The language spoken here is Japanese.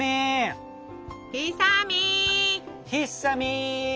ひっさみん。